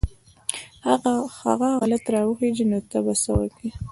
هغه غلط راوخېژي نو ته به څه وکې.